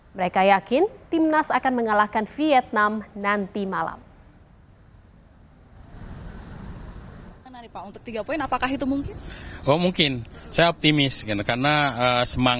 mereka yakin timnas akan mengalahkan vietnam nanti malam